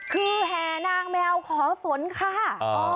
คือแห่นางแมวขอฝนค่ะ